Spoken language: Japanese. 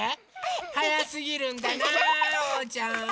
はやすぎるんだなおうちゃん！